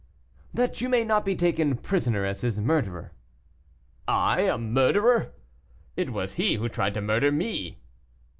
"That you may not be taken prisoner as his murderer." "I, a murderer! it was he who tried to murder me."